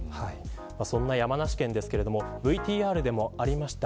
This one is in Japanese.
そんな山梨県ですがＶＴＲでもありました。